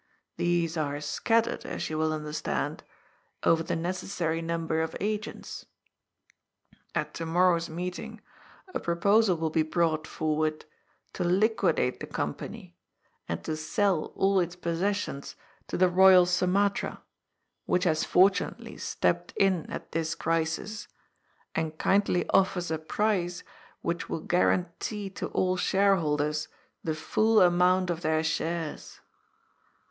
These are scattered, as you will understand, over the necessary number of agents. At to morrow's meeting a proposal will be brought forward to liquidate the Company and to sell all its possessions to the Royal Sumatra, which has fortunately stepped in at this crisis and kindly offers a price which will guarantee to all shareholders the full amount of their shares.